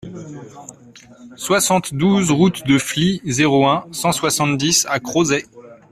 soixante-douze route de Flies, zéro un, cent soixante-dix à Crozet